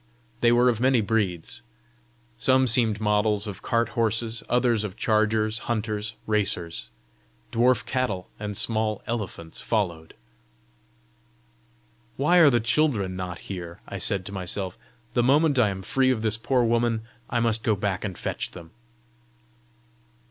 They were of many breeds. Some seemed models of cart horses, others of chargers, hunters, racers. Dwarf cattle and small elephants followed. "Why are the children not here!" I said to myself. "The moment I am free of this poor woman, I must go back and fetch them!"